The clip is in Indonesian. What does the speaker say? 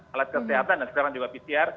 alat kesehatan dan sekarang juga pcr